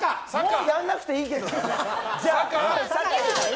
もうやんなくていいけどね。